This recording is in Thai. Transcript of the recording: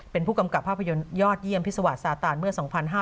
เป็นผู้กำกับภาพยนตร์ยอดเยี่ยมพิษวาสซาตานเมื่อ๒๕๕๙